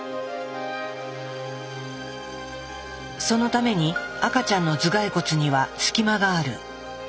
そのために赤ちゃんの頭蓋骨には隙間がある。